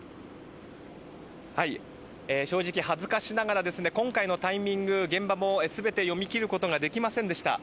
正直、恥ずかしながら今回のタイミング現場も全て読み切ることができませんでした。